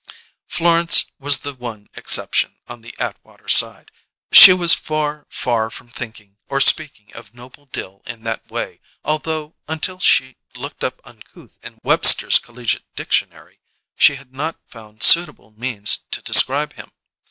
Florence was the one exception on the Atwater side: she was far, far from thinking or speaking of Noble Dill in that way, although, until she looked up "uncouth" in Webster's Collegiate Dictionary, she had not found suitable means to describe him.